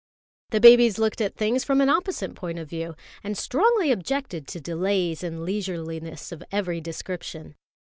The babies looked at things from an opposite point of view, and strongly objected to delays and leisureliness of every description.